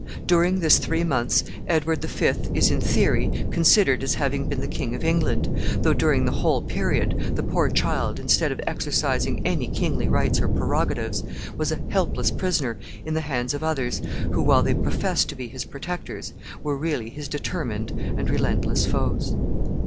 During this three months Edward the Fifth is, in theory, considered as having been the King of England, though, during the whole period, the poor child, instead of exercising any kingly rights or prerogatives, was a helpless prisoner in the hands of others, who, while they professed to be his protectors, were really his determined and relentless foes.